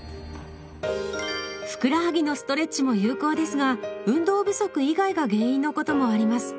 ふくらはぎのストレッチも有効ですが運動不足以外が原因のこともあります。